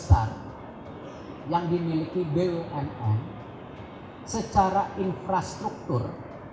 perusahaan terbesar yang dimiliki bumn secara infrastruktur